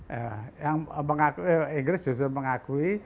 ya yang inggris justru mengakui